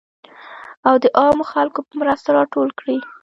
او د عامو خلکو په مرسته راټول کړي .